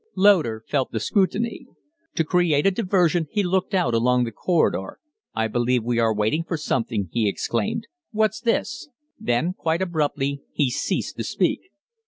Loder felt the scrutiny. To create a diversion he looked out along the corridor. "I believe we are waiting for something," he exclaimed. "What's this?" Then quite abruptly be ceased to speak.